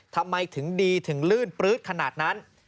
ทำไมถึงดีถึงลื่นปลื๊ดขนาดนั้น